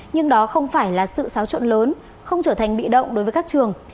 nhưng đó không phải là sự sáo chuộn lớn không trở thành bị động đối với các trường